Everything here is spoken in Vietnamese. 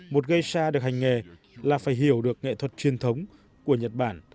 một geisha được hành nghề là phải hiểu được nghệ thuật truyền thống của nhật bản